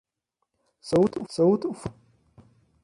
South fue cerrado.